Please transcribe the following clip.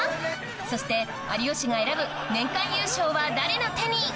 そして有吉が選ぶ年間優勝は誰の手に？